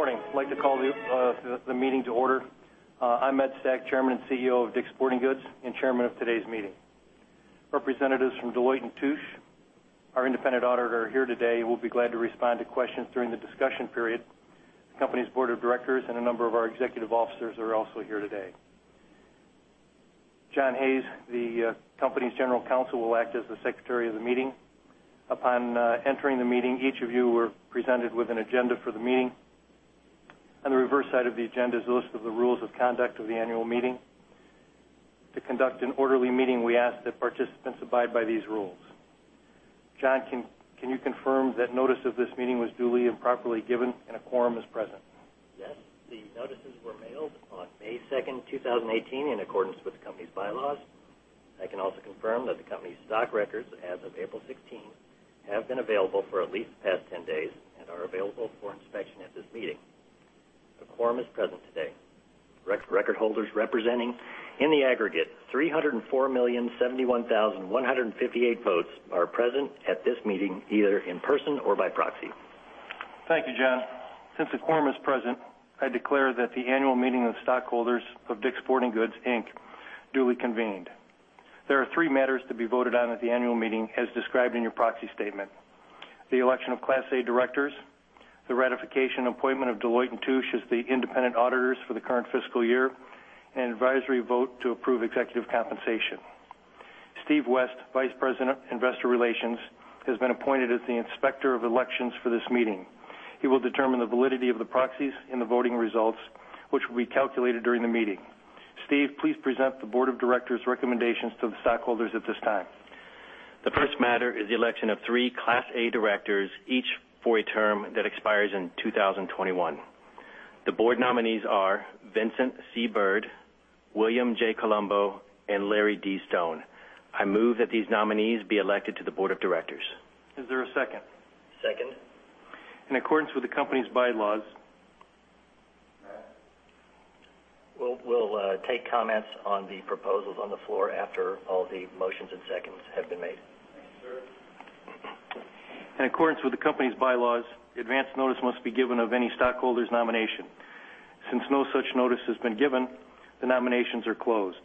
Good morning. I'd like to call the meeting to order. I'm Ed Stack, Chairman and CEO of DICK'S Sporting Goods and chairman of today's meeting. Representatives from Deloitte & Touche, our independent auditor, are here today and will be glad to respond to questions during the discussion period. The company's board of directors and a number of our executive officers are also here today. John Hayes, the company's general counsel, will act as the secretary of the meeting. Upon entering the meeting, each of you were presented with an agenda for the meeting. On the reverse side of the agenda is a list of the rules of conduct of the annual meeting. To conduct an orderly meeting, we ask that participants abide by these rules. John, can you confirm that notice of this meeting was duly and properly given and a quorum is present? Yes, the notices were mailed on May 2nd, 2018, in accordance with the company's bylaws. I can also confirm that the company's stock records as of April 16th have been available for at least the past 10 days and are available for inspection at this meeting. A quorum is present today. Record holders representing in the aggregate 304,071,158 votes are present at this meeting, either in person or by proxy. Thank you, John. Since a quorum is present, I declare that the annual meeting of stockholders of DICK'S Sporting Goods, Inc. duly convened. There are three matters to be voted on at the annual meeting as described in your proxy statement: the election of Class A directors, the ratification appointment of Deloitte & Touche as the independent auditors for the current fiscal year, and advisory vote to approve executive compensation. Steve West, Vice President, Investor Relations, has been appointed as the Inspector of Elections for this meeting. He will determine the validity of the proxies and the voting results, which will be calculated during the meeting. Steve, please present the board of directors' recommendations to the stockholders at this time. The first matter is the election of three Class A directors, each for a term that expires in 2021. The board nominees are Vincent C. Byrd, William J. Colombo, and Larry D. Stone. I move that these nominees be elected to the board of directors. Is there a second? Second. In accordance with the company's bylaws. Matt? We'll take comments on the proposals on the floor after all the motions and seconds have been made. Thank you, sir. In accordance with the company's bylaws, advance notice must be given of any stockholder's nomination. Since no such notice has been given, the nominations are closed.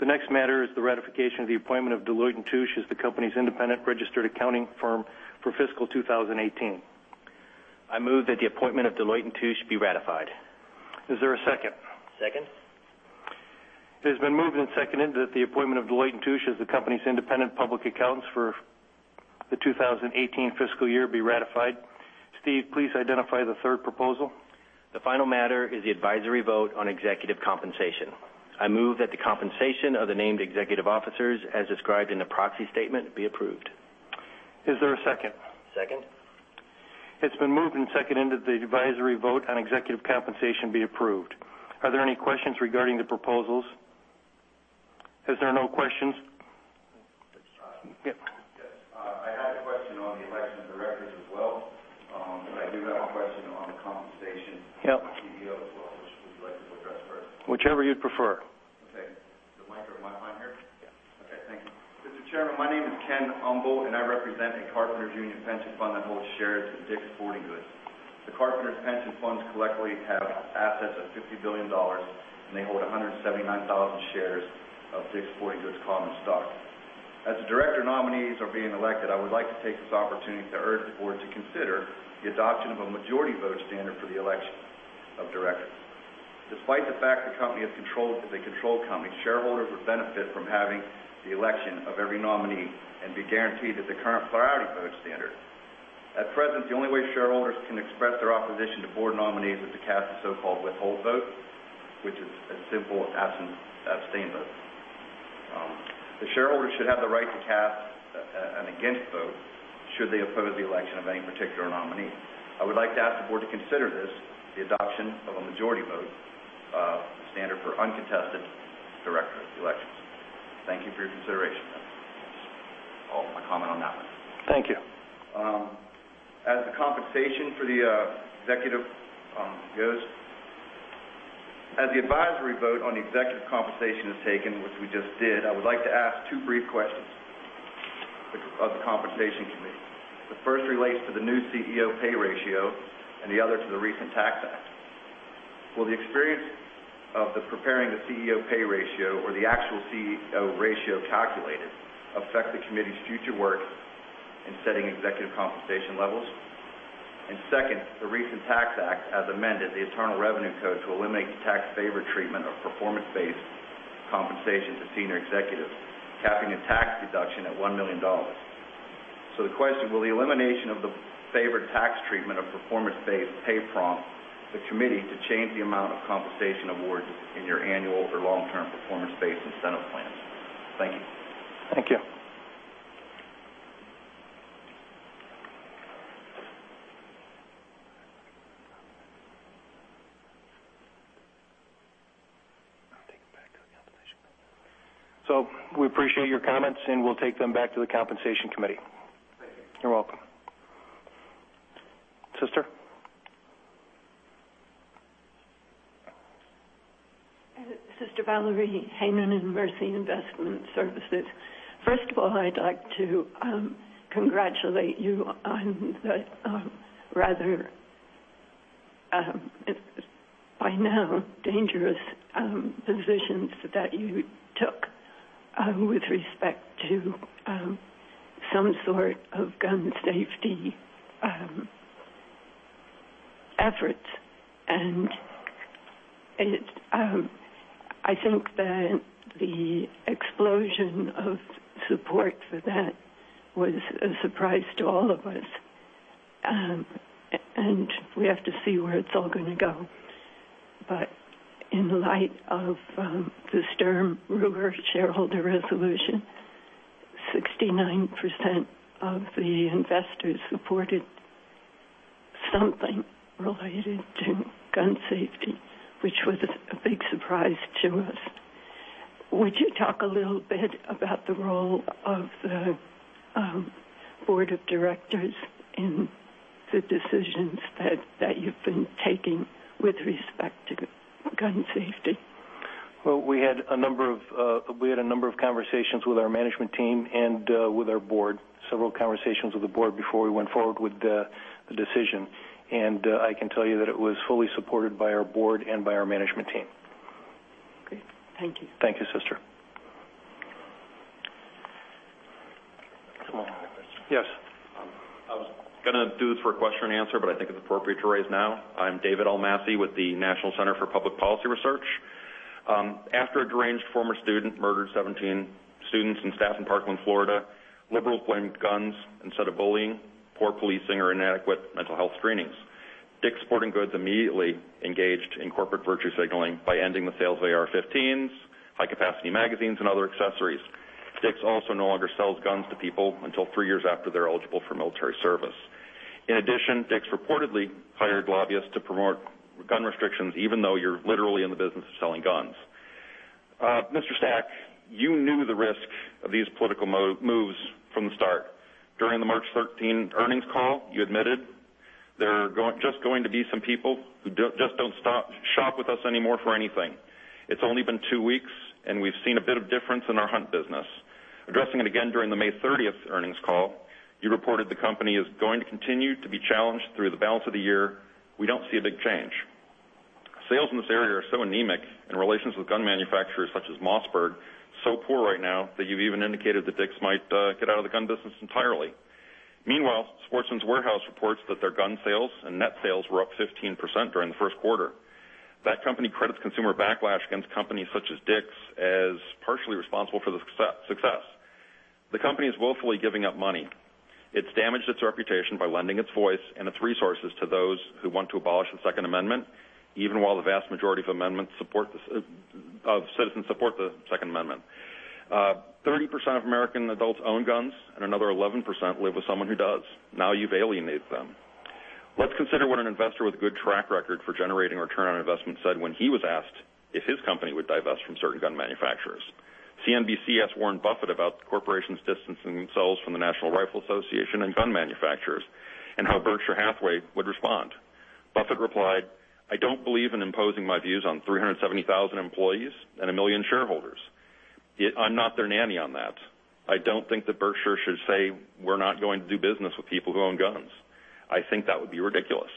The next matter is the ratification of the appointment of Deloitte & Touche as the company's independent registered accounting firm for fiscal 2018. I move that the appointment of Deloitte & Touche be ratified. Is there a second? Second. It has been moved and seconded that the appointment of Deloitte & Touche as the company's independent public accountants for the 2018 fiscal year be ratified. Steve, please identify the third proposal. The final matter is the advisory vote on executive compensation. I move that the compensation of the named executive officers as described in the proxy statement be approved. Is there a second? Second. It's been moved and seconded that the advisory vote on executive compensation be approved. Are there any questions regarding the proposals? As there are no questions. Yep. Yes. I had a question on the election of directors as well. I do have a question on the compensation. Yep of the CEO as well, which would you like to address first? Whichever you'd prefer. Okay. Is the mic or am I on here? Yeah. Okay. Thank you. Mr. Chairman, my name is Ken Humble, I represent a Carpenters Union pension fund that holds shares in DICK'S Sporting Goods. The Carpenters Union pension funds collectively have assets of $50 billion, they hold 179,000 shares of DICK'S Sporting Goods common stock. As the director nominees are being elected, I would like to take this opportunity to urge the board to consider the adoption of a majority vote standard for the election of directors. Despite the fact the company is controlled as a control company, shareholders would benefit from having the election of every nominee and be guaranteed that the current plurality vote standard. At present, the only way shareholders can express their opposition to board nominees is to cast a so-called withhold vote, which is a simple abstain vote. The shareholders should have the right to cast an against vote should they oppose the election of any particular nominee. I would like to ask the board to consider this, the adoption of a majority vote standard for uncontested director elections. Thank you for your consideration. That's all, my comment on that one. Thank you. As the advisory vote on executive compensation is taken, which we just did, I would like to ask two brief questions of the Compensation Committee. The first relates to the new CEO pay ratio and the other to the recent Tax Act. Will the experience of preparing the CEO pay ratio or the actual CEO ratio calculated affect the committee's future work in setting executive compensation levels? Second, the recent Tax Act, as amended, the Internal Revenue Code to eliminate the tax favored treatment of performance-based compensation to senior executives, capping a tax deduction at $1 million. The question, will the elimination of the favored tax treatment of performance-based pay prompt the committee to change the amount of compensation awards in your annual or long-term performance-based incentive plans? Thank you. Thank you. I'll take it back to the Compensation Committee. We appreciate your comments, and we'll take them back to the Compensation Committee. Thank you. You're welcome. Sister? Sister Delores Hannon in Mercy Investment Services. First of all, I'd like to congratulate you on the rather, by now, dangerous positions that you took with respect to some sort of gun safety efforts. I think that the explosion of support for that was a surprise to all of us, and we have to see where it's all going to go. In light of the Sturm, Ruger shareholder resolution, 69% of the investors supported something related to gun safety, which was a big surprise to us. Would you talk a little bit about the role of the board of directors in the decisions that you've been taking with respect to gun safety? Well, we had a number of conversations with our management team and with our board. Several conversations with the board before we went forward with the decision, and I can tell you that it was fully supported by our board and by our management team. Great. Thank you. Thank you, sister. Come on. Yes. I was going to do this for a question and answer, but I think it's appropriate to raise now. I'm David Almasi with the National Center for Public Policy Research. After a deranged former student murdered 17 students and staff in Parkland, Florida, liberals blamed guns instead of bullying, poor policing, or inadequate mental health screenings. DICK'S Sporting Goods immediately engaged in corporate virtue signaling by ending the sales of AR-15s, high-capacity magazines, and other accessories. DICK'S also no longer sells guns to people until three years after they're eligible for military service. In addition, DICK'S reportedly hired lobbyists to promote gun restrictions, even though you're literally in the business of selling guns. Mr. Stack, you knew the risk of these political moves from the start. During the March 13 earnings call, you admitted, "There are just going to be some people who just don't shop with us anymore for anything. It's only been two weeks and we've seen a bit of difference in our hunt business." Addressing it again during the May 30th earnings call, you reported the company is going to continue to be challenged through the balance of the year. We don't see a big change. Sales in this area are so anemic and relations with gun manufacturers such as Mossberg so poor right now that you've even indicated that DICK'S might get out of the gun business entirely. Meanwhile, Sportsman's Warehouse reports that their gun sales and net sales were up 15% during the first quarter. That company credits consumer backlash against companies such as DICK'S as partially responsible for the success. The company is willfully giving up money. It's damaged its reputation by lending its voice and its resources to those who want to abolish the Second Amendment, even while the vast majority of citizens support the Second Amendment. 30% of American adults own guns, and another 11% live with someone who does. Now you've alienated them. Let's consider what an investor with a good track record for generating return on investment said when he was asked if his company would divest from certain gun manufacturers. CNBC asked Warren Buffett about the corporations distancing themselves from the National Rifle Association and gun manufacturers and how Berkshire Hathaway would respond. Buffett replied, "I don't believe in imposing my views on 370,000 employees and a million shareholders. I'm not their nanny on that. I don't think that Berkshire should say we're not going to do business with people who own guns. I think that would be ridiculous."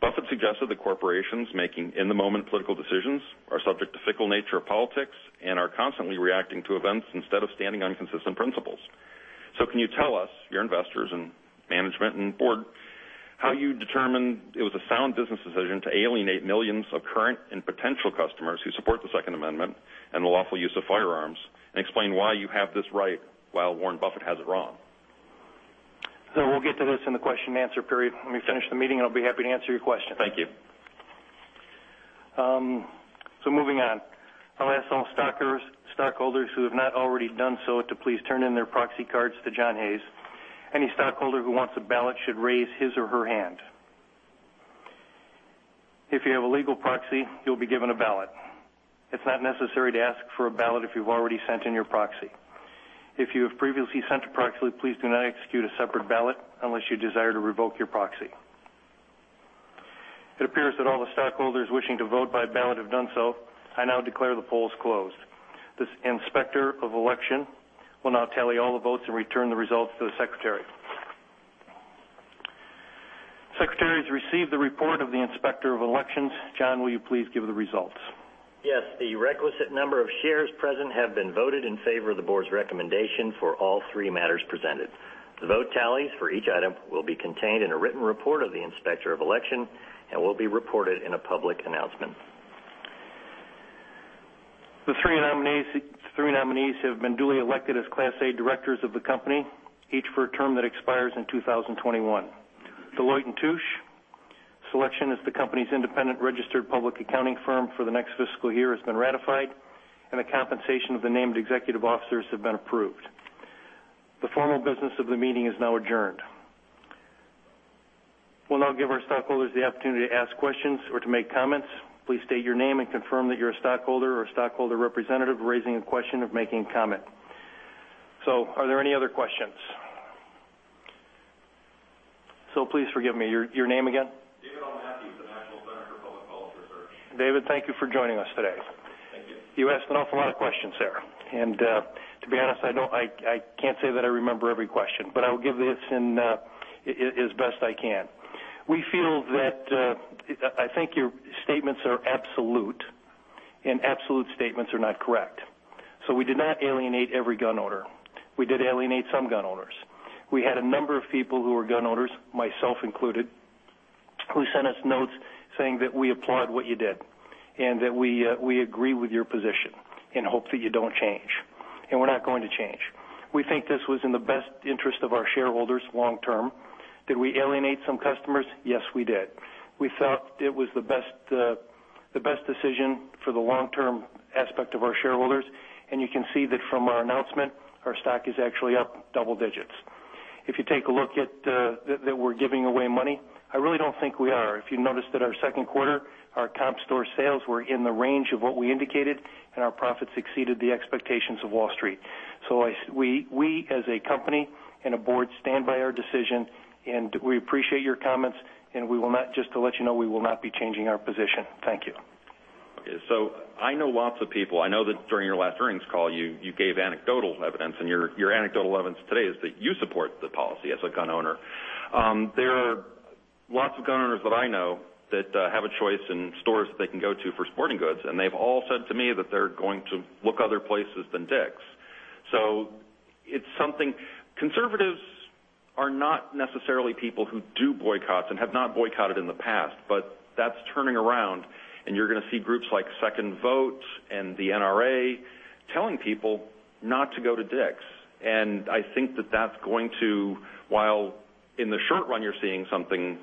Buffett suggested the corporations making in-the-moment political decisions are subject to the fickle nature of politics and are constantly reacting to events instead of standing on consistent principles. Can you tell us, your investors and management and board, how you determined it was a sound business decision to alienate millions of current and potential customers who support the Second Amendment and the lawful use of firearms, and explain why you have this right while Warren Buffett has it wrong? We'll get to this in the question and answer period when we finish the meeting, and I'll be happy to answer your question. Thank you. Moving on. I'll ask all stockholders who have not already done so to please turn in their proxy cards to John Hayes. Any stockholder who wants a ballot should raise his or her hand. If you have a legal proxy, you'll be given a ballot. It's not necessary to ask for a ballot if you've already sent in your proxy. If you have previously sent a proxy, please do not execute a separate ballot unless you desire to revoke your proxy. It appears that all the stockholders wishing to vote by ballot have done so. I now declare the polls closed. This inspector of election will now tally all the votes and return the results to the secretary. Secretary has received the report of the inspector of elections. John, will you please give the results? Yes. The requisite number of shares present have been voted in favor of the board's recommendation for all three matters presented. The vote tallies for each item will be contained in a written report of the inspector of election and will be reported in a public announcement. The three nominees have been duly elected as Class A directors of the company, each for a term that expires in 2021. Deloitte & Touche selection as the company's independent registered public accounting firm for the next fiscal year has been ratified, the compensation of the named executive officers have been approved. The formal business of the meeting is now adjourned. We'll now give our stockholders the opportunity to ask questions or to make comments. Please state your name and confirm that you're a stockholder or a stockholder representative raising a question of making a comment. Are there any other questions? Please forgive me, your name again? David Almasi of the National Center for Public Policy Research. David, thank you for joining us today. Thank you. You asked an awful lot of questions there. To be honest, I can't say that I remember every question, I will give this as best I can. We feel that I think your statements are absolute, Absolute statements are not correct. We did not alienate every gun owner. We did alienate some gun owners. We had a number of people who were gun owners, myself included, who sent us notes saying that we applaud what you did and that we agree with your position and hope that you don't change. We're not going to change. We think this was in the best interest of our shareholders long-term. Did we alienate some customers? Yes, we did. We felt it was the best decision for the long-term aspect of our shareholders, You can see that from our announcement, our stock is actually up double digits. If you take a look at that we're giving away money. I really don't think we are. If you notice that our second quarter, our comp store sales were in the range of what we indicated, Our profits exceeded the expectations of Wall Street. We as a company and a board stand by our decision, We appreciate your comments, Just to let you know, we will not be changing our position. Thank you. Okay, I know lots of people. I know that during your last earnings call, you gave anecdotal evidence, Your anecdotal evidence today is that you support the policy as a gun owner. There are lots of gun owners that I know that have a choice in stores that they can go to for sporting goods, They've all said to me that they're going to look other places than DICK'S. It's something. Conservatives are not necessarily people who do boycotts and have not boycotted in the past, That's turning around, You're going to see groups like 2ndVote and the NRA telling people not to go to DICK'S. I think that that's going to, while in the short run you're seeing something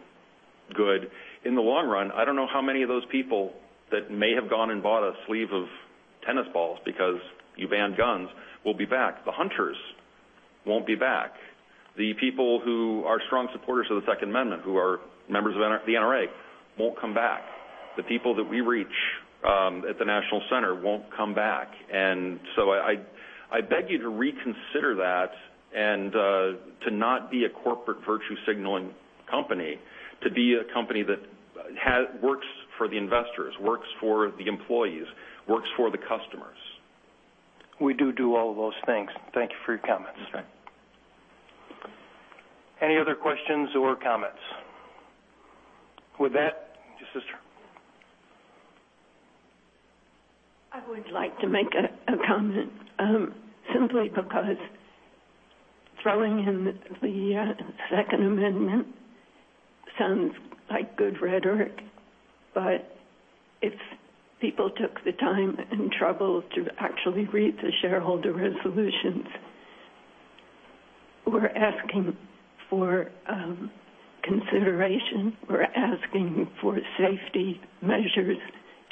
good, in the long run, I don't know how many of those people that may have gone and bought a sleeve of tennis balls because you banned guns will be back. The hunters won't be back. The people who are strong supporters of the Second Amendment, who are members of the NRA, won't come back. The people that we reach at the National Center won't come back. I beg you to reconsider that and to not be a corporate virtue signaling company, to be a company that works for the investors, works for the employees, works for the customers. We do all those things. Thank you for your comments. Okay. Any other questions or comments? With that, Sister. I would like to make a comment simply because throwing in the Second Amendment sounds like good rhetoric. If people took the time and trouble to actually read the shareholder resolutions, we're asking for consideration. We're asking for safety measures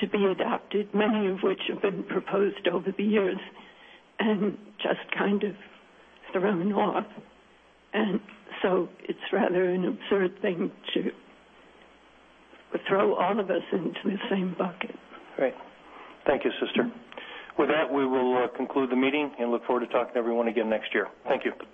to be adopted, many of which have been proposed over the years and just kind of thrown off. It's rather an absurd thing to throw all of us into the same bucket. Great. Thank you, Sister. With that, we will conclude the meeting and look forward to talking to everyone again next year. Thank you.